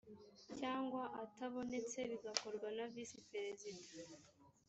cyangwa atabonetse bigakorwa na visi perezida